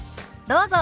どうぞ。